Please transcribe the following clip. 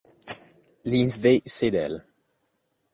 Lindsay Seidel